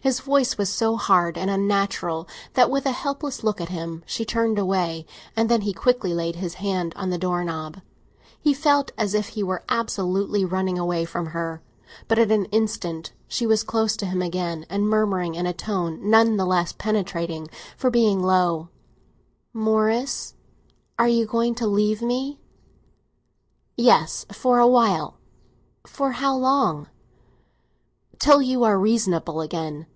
His voice was so hard and unnatural that, with a helpless look at him, she turned away; and then he quickly laid his hand on the door knob. He felt as if he were absolutely running away from her. But in an instant she was close to him again, and murmuring in a tone none the less penetrating for being low, "Morris, you are going to leave me." "Yes, for a little while." "For how long?" "Till you are reasonable again."